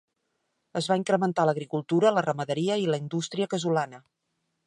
Es va incrementar l'agricultura, la ramaderia i la indústria casolana.